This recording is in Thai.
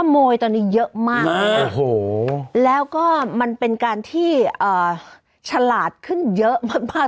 โมยตอนนี้เยอะมากแล้วก็มันเป็นการที่ฉลาดขึ้นเยอะมาก